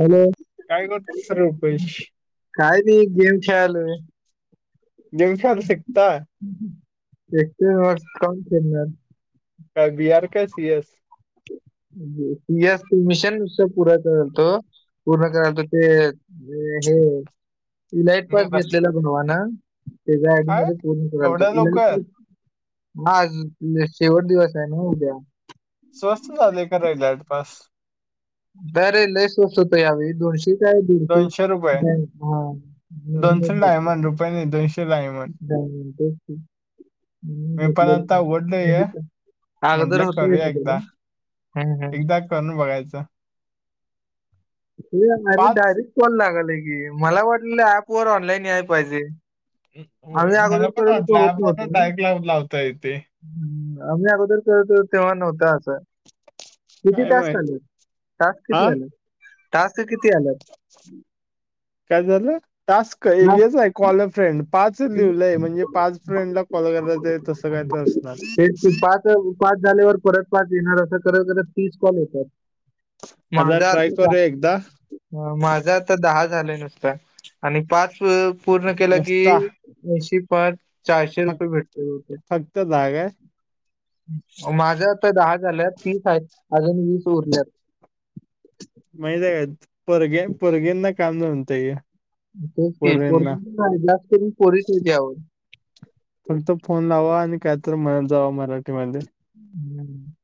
Hello काय करतोस र रूपेश? काय ते एक गेम खेळायलोय. गेम खेळालूस एकटा? [unintelligible] का बियार काय सी एस? ती हेच की मिशनच पुरा करतो. पूर्ण करायलतो ते हे ई-लाईट पास मी बसले घेतलेला भावानं तेज्या आय डी काय मध्ये पूर्ण करायलतो एवढ्या इ- लाईट लवकर म आज शेवट दिवस हाय ना उद्या? स्वस्त झालाय का र -इलाईट पास? काय ते लई स्वस्त होत या वेळी दोनशे काय दीडशे दोनशे रुपये काय हा दोनशे नवीनच डायमंड होती. रुपये दोनशे [unintelligible] [unintelligible] मी पण घेतलेय आता आवडलंय [inaudible] अगोदर म्हटलं होतं हा. कानु बघायचा. ते अरे पाच डायरेक्ट कॉल लागालंय की मला वाटलं ऍप वर ऑनलाईन या पाहिजे. होय आम्ही मला अगोदर करत वाटल होतो होत ऍप वरनं नव्हतं ना डायरेक्ट लावता येते. आम्ही अगोदर करत होतो तेव्हा नव्हता असं. किती काय टास्क माहित आले टास्क हा किती आले? टास्क किती आल्यात? काय झालं? टास्क हेच टास्क हाय कॉल अ फ्रेंड. पाच लिव्हालय म्हणजे पाच फ्रेंडला कॉल करायचं तसं काय तर असणार. हे ते पाच पाच झाल्यावर परत पाच येणार असं करत करत तीस कॉल येत्यात. आता माझ ट्राय आदीचा करूया एकदा माझं आता दहा झालंय नुसतं आणि पाच पूर्ण केलं की नुसता असे पाच चारशे फक् रुपये भेटले होते. फक्त दहा काय? मग माझं आता दहा झाल्यात तीस हायत अजून वीस उरल्यात. माहिती हाय काय पोरगी-पोरगींना काम जमतय हे. तेच की पोरींना पोरगं जास्त करून पोरीच हायत हेज्याव. फक्त फोन लावा आणि कायतर म्हणत जावा मराठीमध्ये. हम्.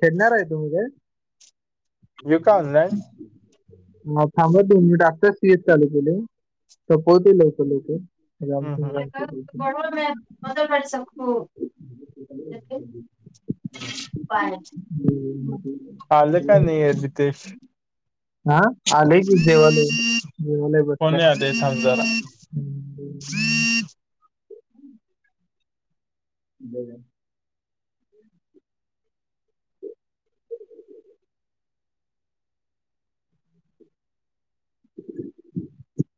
खेळणार हाय तु उद्या? येऊ का ऑनलाईन [inaudible] म थांबा दोन मिनिट आताशी एक चालुकेलय सपावतुय लवकर लवकर. हा रामसिंग हा रामसिंग [inaudible] पाय आलं का नाय रितेश? आ? आलय की जेवालय जेवालाय बसलाय. जय थांब जरा. [unintelligible] [inaudible] [inaudible]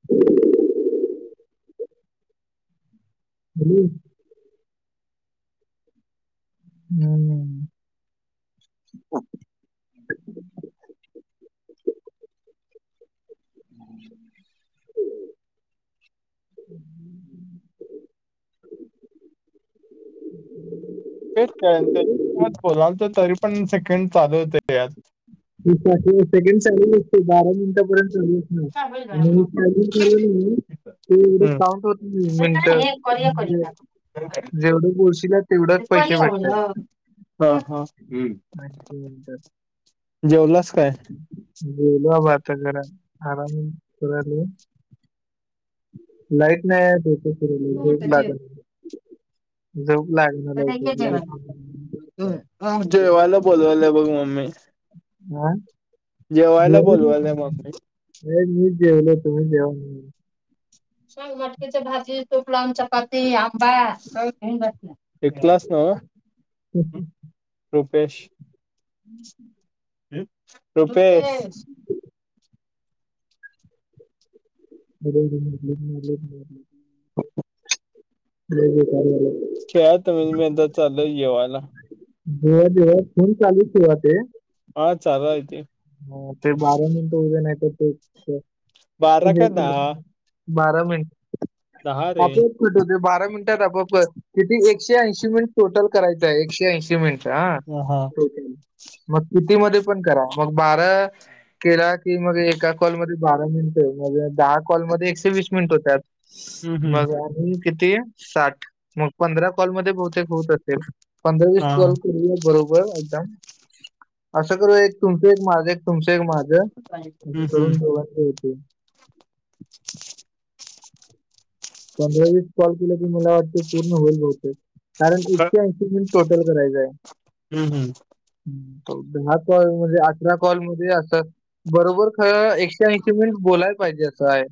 [unintelligible] [unintelligible] हम्म. ह [inaudible] [inaudible] तेच का बोलावल तर तरी पण सेकंड चालू होतं ह्यात. सेकंड चालू होते. बारा मिनिटापर्यंत हम्म, ते एवढं हम्म साउंट होत. मिनट हा जेवढं बोलशीला तेवढंच पैसे भेटतात. हा हा. हम. ऐंशी जेवलाच काय? जेवलो आबा आताच जरा लाईट नाही आहे. डोक फिरलय झोप लागत. झोप लागणा लवकर, लाईट नाही. बोलवायला बघ मम्मी. हा. जेवायला बोलवायला मम्मी. अरे मी जेवलो तुम्ही जेवा म्हणा. मग मटकीच्या भाजी, तूप लावून चपाती, आंबा हाय आज सगळ घेऊन बसल्या. एक क्लास ना रूपेश रूपेश [unintelligible] खेळायला तुमीच बसा. आता चालोय जेवायला जेवत जेवत फोन चालूच ठेवा ते, हा चालू आहे की ह ते बारा मिनट उद्या नाही तर ते, ते बारा हे का दहा केलं. बारा मिनट, दहा हा रे बोल, कट होतोय. बारा मिनिटात आपोप किती एकशे ऐंशी मिनिट टोटल करायचंय. एकशे ऐंशी मिनिट. हा. मग किती मध्ये पण करा मग बारा, केला की, मग एका कॉलमध्ये बारा मिनिट मग दहा कॉलमध्ये एकशे वीस मिनिट होत्यात. हम्म हम्म मग आणि किती? साठ मग पंधरा कॉलमध्ये बहुतेक होत असेल. पंधरा वीस हा हा कॉल करू बरोबर. व्हय म्हणता. असं करू या एक तुमच एक माझं तुमच एक माझ अस हम्म हम्म करून दोघांचं होते. पंधरा वीस कॉल केलं की, मला वाटत पूर्ण होईल बहुतेक कारण एकशे ऐंशी टोटल करायचंय. हम्म हम्म, दहा कॉल म्हणजे अठरा कॉलमध्ये असं बरोबर. खरं एकशे ऐंशीे मिनिट बोलायला पाहिजे असं आहे.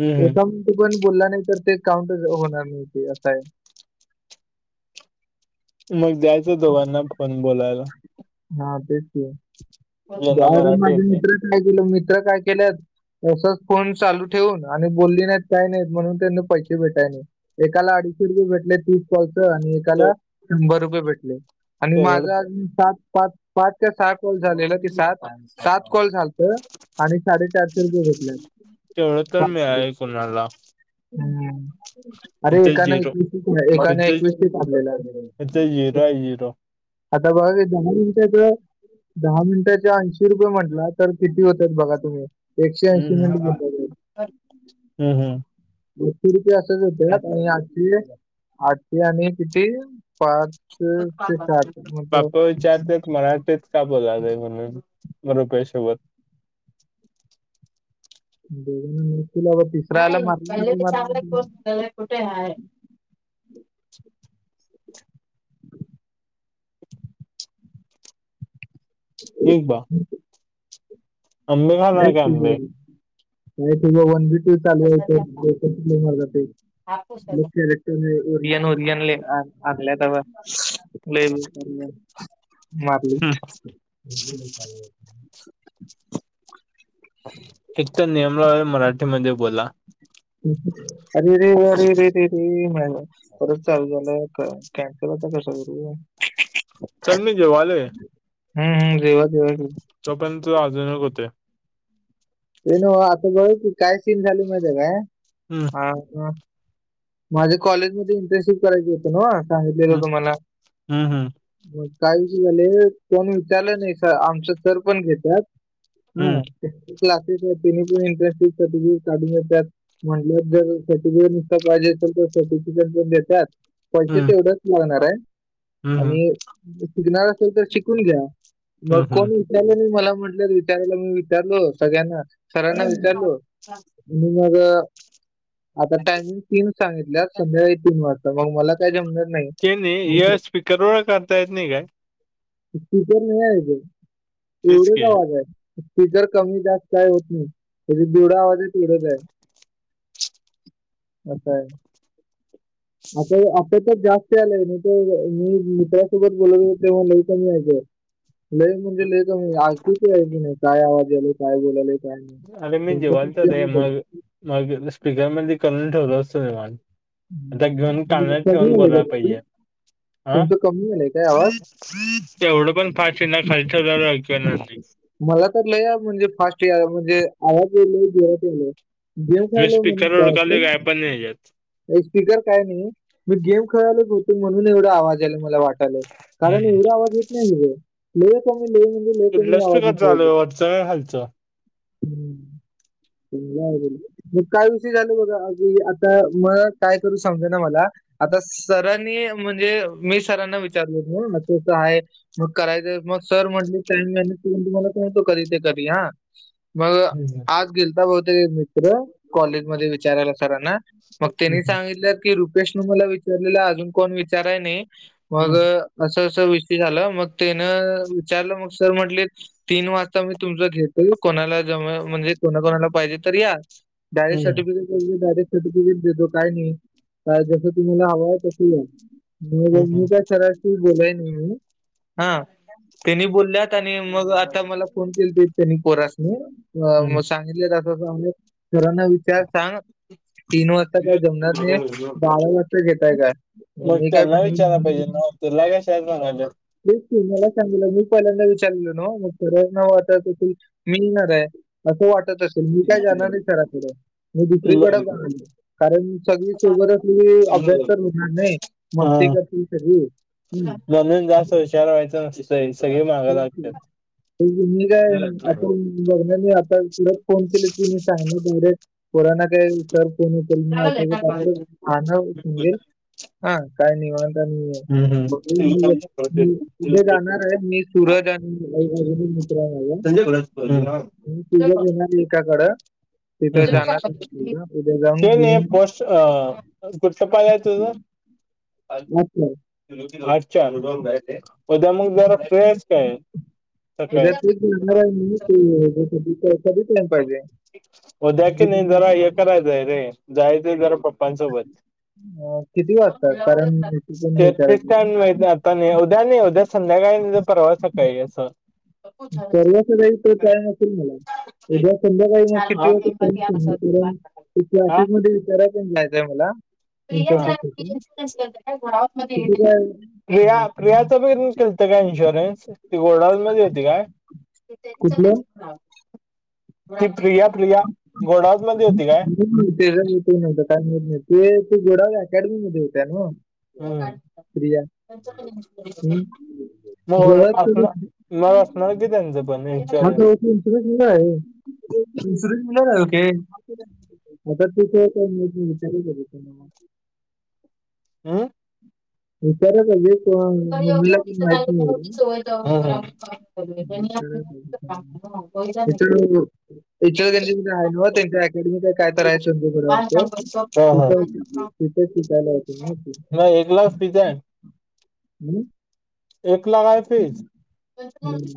हम्म एका मिनिट पण बोलला नाही तर, ते काउंटच होणार नाही ते असा आहे. मग जायचं दोघांना पण बोलायला. हा तेच की, ज्यांना बाहेरून मराठी माझे येते मित्र काय केलं. मित्र काय केल्यात तसच फोन चालू ठेवून आणि बोलली नाहीत, काही नाहीत म्हणून त्यां पैसे भेटाय नाहीत. एकाला अडीचशे रुपये भेटले तीस कॉलच आणि ते एकाला शंभर रुपये भेटले. आणि माझ तेवढ अजून सात पाच पाच ते सहा कॉल झालेना की सात? सात कॉल झाल त, आणि साडे चारशे रुपये भेटले, तेवढं तर मिळाले [unintelligible] कोणाला? हम्म. अरे इथे एकान झिरो एकवीस [unintelligible] एकाने इथे एकवीसने ठरलेलं. इथे झिरो आहे झिरो आता बघा [unintelligible] त दहा मिनिटाचे ऐंशी रुपये म्हटला, तर किती होत्यात बघा तुम्ही? एकशे ऐंशी हम्म मिनिट हम, बोलतात हम्म हम्म. [unintelligible] असच येतय आठशे, आठशे आणि किती पाच ते सात [unintelligible] मतलब बापू विचारते मराठीत का बोला लागलं [unintelligible] बरोबर पैशे व [unintelligible] कुठे हाय? ठीक बा. [inaudible] आंबे खाणार का आंबे [inaudible] तूज वन वीक ते चालू हायते [unintelligible] [unintelligible] मारलीत. हम्म [unintelligible] एक तर नियम ला आहे, मराठीमध्ये बोला. ह्म हम्. अरे रे अरे रे रे रे म्हलं परत चालू झालं आता, कॅन्सल आता कसं करू? [inaudible] चल नी जेवाले. हम्म ह्म जेवा जेवा की. तोपर्यंत, अजून एक होतय. ते नाव आतापर्यंत काय सीन झाली माहिती काय? हम्म. हां का? माझ्या कॉलेजमध्ये इंटर्नशिप करायची होती ना व, सांगितलेलं हम्म होत मला. हम्म काही झाले, पण विचारलं नही सर, आमच सर पण घेत्यात. हं हम्म क्लासेस येत, त्यांनी पण इंटरनॅशनल सर्टिफिकेट काढून देत्यात. म्हणलं जर सर्टिफिकेट निघत पाहिजे असेल तर सर्टिफिकेट पण देतात, पैसे हम्म तेवढच मिळणार ये ह हम्म आणि शिकणार असल, तर शिकून घ्या, हम्म हम्म मग कोणी हम्म [unintelligible] विचारलं मला म्हटलं विचारायला मी विचारलो, सगळ्यांना सरांना विचारलो. आणि मग आता टाइमिंग तीन सांगितल्यात, सध्या येतीन वाटतं, मग मला काय जमणार नाही. त्यांनी ई आय स्पीकर वर करता येत नाही काय? स्पीकर नाहीये ते, तो तेच की व्हिडिओचा आवाज ये. ते जर कमी जास्त काय होत नाही, त्याचा जेवढा आवाज ये तेवढाच ये. असय. असय आता तर जास्त आलंय, मी तर मी मित्रासोबत बोलवत होतो तेव्हा [unintelligible] कमी येतंय, लय म्हणजे लय कमी, ऐकूच यायच नही, काय आवाज यायले, काय बोलाले? का अरे मी जेवालतो रे नाही मग [unintelligible] मग स्पीकरमध्ये करून ठेवलं असल, निवाण. आता घेऊन काल [unintelligible] तुमचं ठेवून कमी बोलायला पाहिजे. आ? तुमचं कमी आलंय काय आवाज? एवढं पण पाशी ना खालीच झा किंवा नाही [unintelligible] मला तर लय म्हणजे फास्टर म्हणजे [unintelligible] मी स्पीकरवर उडकालोय काय [unintelligible] पण नाही येत. स्पीकर काय नाही, मी गेम खेळालोय बहुतेक म्हणून एवढा आवाज यायला मला वाटत. हँलो? कारण, हम्म. एवढ आवाज येत नाही तुझं. कुठलं स्पीकर चालू आहे वरचं का खालचं [unintelligible] मग [unintelligible] काय विषय झाल बघा आता मग. काय करू समजना मला. आता सरांनी म्हणजे, मी सरांना विचारलो [unintelligible] त आहे मग करायचं मग सर म्हटले, टाईम मेनेज तुम्हाला तो कधी ते करी या [unintelligible] मग हम्म आज गेलता बहुतेक मित्र, कॉलेजमध्ये विचारायला सरांना. मग त्यांनी हम्म सांगितलं की, रुपेश नु [unintelligible] मला विचारलेलं अजून कोण विचाराय नाही, हम्म मग- असं अस विषय झाला, मग तेनं विचारलं मग सर म्हटले- तीन वाजता मी तुमच घेतो, कोणाला जमा म्हणजे कोणा कोणाला पाहिजे तर या. डायरेक्ट हम्म सर्टिफिकेट [unintelligible] डायरेक्ट सर्टिफिकेट देतो. काही नाही, जस तुम्हाला हव [unintelligible] तस नाही, हम्म हम्म मी का सरा- तू बोलाय [unintelligible] मी हा. त्येंनी बोलल्यात आणि मग आता मला फोन केलतीत, त्येनी पोरासनी. अ.. मग सांगितले जात [unintelligible] सरांना विचार सांग तीन वाजता- काय हम्म. जमणार नाही, बारा वाजता घेताय काय? मग मी काय- त्यांना [unintelligible] बस मला सांगितलं मी पहिल्यांदा विचारलेलो, ना मग [unintelligible] कोरोना वाट त मिळणार आहे. असं वाटत असेल, मी काय जाणार नाही सराकड, मी दुसरीकडे [unintelligible] कारण- सगळी सोबत असल की, अभ्यास तर होणार नाही, मस्ती हा करतील सगळी. म्हणून जास्त हुशार व्हायचं, नस सगळे मागं तेच की. लागत्यात. मी काय आता बघण्याी [unintelligible] आता तलाच फोन केले तुी [unintelligible] बारे कोरोना काही विार कोणी के अस त्या पाणंे [unintelligible] हा काय नाही [unintelligible] आहे मी कथे जाणार आहे मी. सूरज आणि अ [unintelligible] मित्र हम्म तुझ घेणार [unintelligible] एकाकडं- तिथं जाणार नाही उद्या जाऊन, घेऊन. [unintelligible] गुडच्या पाय आहे तुझ. अच्छा आठच्या अगोदर [unintelligible] मग जरा फ्रेश काय काय उद्या [unintelligible] उद्या की नाही जरा हे करायचंय रे, जायचंय जरा पप्पांसोबत. अं, किती वाजता कारण ती पण विचारायची [unintelligible] उद्या नाही, उद्या संध्याकाळी नाही तर परवाच सकाळी यायचं. [unintelligible] संध्याकाळी मग हा. किती [unintelligible] हा? क्लासेस मध्ये विचाराय पण जायचंय मला. [unintelligible] होत काय इंटर्नशिप साठी इन्शुरन्स, किती काय गोडवूनमध्ये होती काय? कुठलं [unintelligible] ती प्रिया, प्रिया गोडावत मध्ये होती काय? [unintelligible] त गोडाव अकॅडमी म होत्या ना प्रिया हम् हम्म. [inaudible] म गोव्यात [inaudible] कधी- असणार म असणार की त्यांचं पण ह इन्शुरन्स. इन्शुरन्स मिला आहे इन्शुरन्स मिळे ओके. ना आता ठीक आहे मी विचार कर म मग. आ, [unintelligible] सर्याेत मला कत माहिती नव [inaudible] हाव हाव ह [unintelligible] पण त्यांच्या क आहे ना त्यांच अकॅडमी का काय तर [unintelligible] हा तिथ हा. तिथ शिकयला होते माहिती. मग एक लाख तिचं आहे. आणि. एक लाख आहे की. हम्म.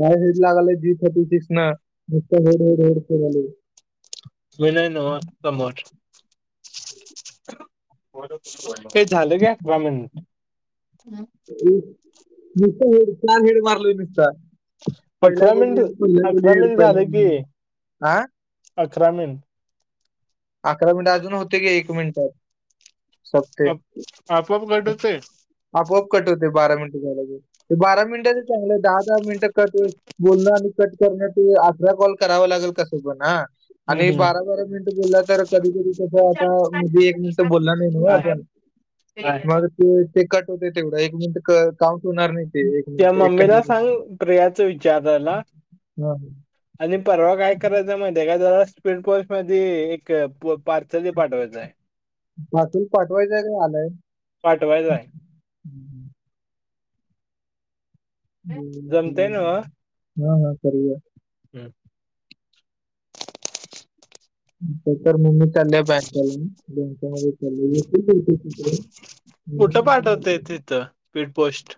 काय लागल जिथ तिसन नुसत रड रड करु लागले. सोन्यान कामर [unintelligible] हे झालं काय वहा म्हण. [unintelligible] तेच निसता हेड का मारलोय निसता पहिल्या अकरा गोली मिनिट ये पहिल्या गोली अकरा येड मिनिट पहिल्या गोली ह. अकरामीन. अकरा मिनिट अजून होते गे एक मिनिट. आप आपण कट होतंय. आपोआप कटत आहे बारा मिनिटं झालं की बारा मिनिट चांगलं दहा दहा मिनिटं कट होईल. बोलणं आणि कट करणं ते अकरा कॉल करावा लागेल कास पण ना. आणि बारा बारा मिनिट बोललात. तर कधी कधी तसं आता म्हणजे एक मिनिट बोलला नाही न आपण मग. ते ते कट होते तेवढं एक मिनिट क काउंट होणार नाही. ते एक त्या मिनिट एक काय मम्मीला सांग प्रियाच विचाराला. नाही. आणि परवा काय करायच. तुम्हाला माहिती आहे काय जरा स्पीड पल्स मध्ये एक पार्चल पाठवायचं आहे. पाटून पाठवायचंय का आलाय. पाठवायच आहे. हम्म हम्म. [unintelligible] जमतय नाही ना नाही सरवे आहे कॅब. पेपर म्हनुन चालले बँग घालुन बँकेमध्ये चालले भरपूर करते. कुठं पाठवतय तिथं पीड पोस्ट.